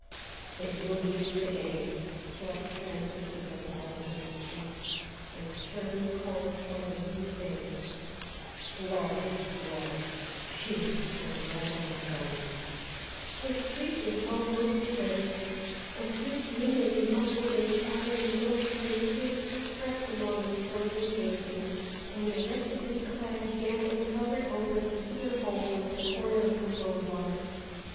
"It will be sickening," thought Trent as he went not into the street and turned the corner toward the rue de Seine; "slaughter, slaughter, phew! I'm glad I'm not going." The street was almost deserted. A few women muffled in tattered military capes crept along the frozen pavement, and a wretchedly clad gamin hovered over the sewer hole on the corner of the Boulevard.